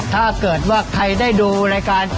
ถ้าเกิดว่าใครได้ดูรายการ